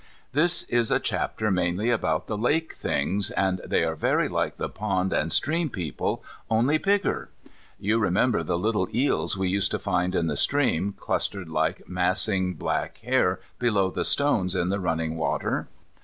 This is a chapter mainly about the lake things, and they are very like the pond and stream people, only bigger. You remember the little eels we used to find in the stream, clustered like massing black hair below the stones in the running water?